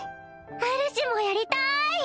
うるしもやりたーい